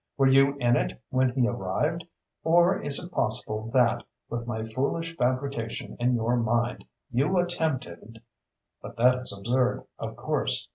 Were you in it when he arrived? Or is it possible that, with my foolish fabrication in your mind, you attempted But that is absurd, of course.